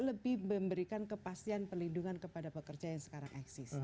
lebih memberikan kepastian pelindungan kepada pekerja yang sekarang eksis